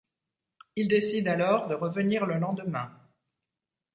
Il décide alors de revenir le lendemain.